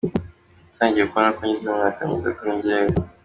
Natangiye kubona ko ngeze mu myaka myiza kuri njyewe.